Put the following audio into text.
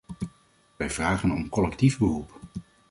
Wij vragen om collectief beroep.